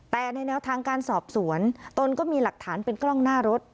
แต่ในแนวทางการสอบสวนตนก็มีหลักฐานเป็นกล้องหน้ารถ